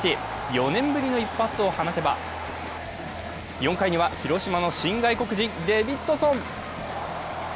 ４年ぶりの一発を放てば４回には広島の新外国人デビッドソン。